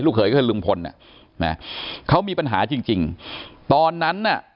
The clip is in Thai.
เขยก็คือลุงพลอ่ะนะเขามีปัญหาจริงจริงตอนนั้นน่ะ